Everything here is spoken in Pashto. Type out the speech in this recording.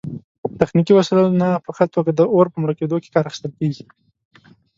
تخنیکي وسایلو نه په ښه توګه د اور په مړه کیدو کې کار اخیستل